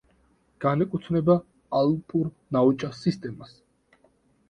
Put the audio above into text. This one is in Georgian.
განეკუთვნება ალპურ ნაოჭა სისტემას.